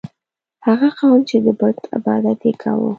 هغه قوم چې د بت عبادت یې کاوه.